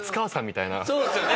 そうですよね。